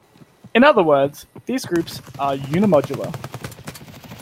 In other words, these groups are unimodular.